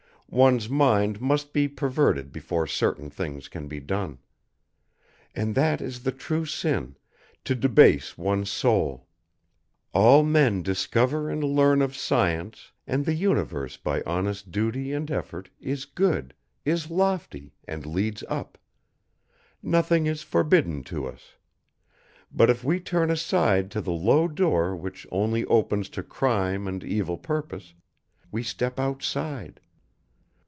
One's mind must be perverted before certain things can be done. And that is the true sin to debase one's soul. All men discover and learn of science and the universe by honest duty and effort is good, is lofty and leads up. Nothing is forbidden to us. But if we turn aside to the low door which only opens to crime and evil purpose, we step outside.